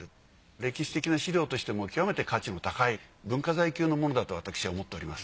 歴史的な資料としても極めて価値の高い文化財級のものだと私は思っております。